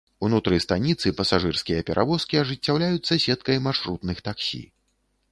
Унутры станіцы пасажырскія перавозкі ажыццяўляюцца сеткай маршрутных таксі.